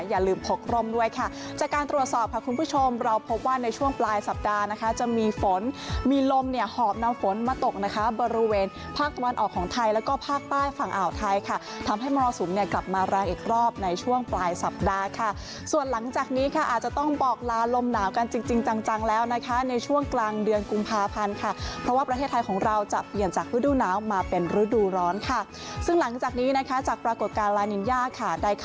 อย่าลืมพกรมด้วยค่ะจากการตรวจสอบค่ะคุณผู้ชมเราพบว่าในช่วงปลายสัปดาห์นะคะจะมีฝนมีลมเนี่ยหอบนำฝนมาตกนะคะบริเวณภาคตะวันออกของไทยแล้วก็ภาคใต้ฝั่งอ่าวไทยค่ะทำให้มรสุมเนี่ยกลับมารายอีกรอบในช่วงปลายสัปดาห์ค่ะส่วนหลังจากนี้ค่ะอาจจะต้องบอกลาลมหนาวกันจริงจริงจังแล